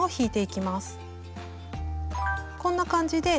こんな感じで菱